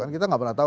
kita gak pernah tahu